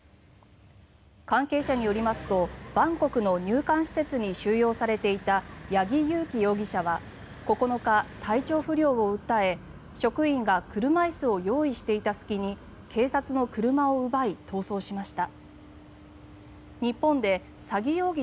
関係者によりますとバンコクの入管施設に収容されていたヤギ・ユウキ容疑者は９日体調不良を訴え職員が車椅子を用意していた隙に警察の車を奪い、逃走しました。